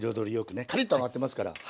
カリッと揚がってますから。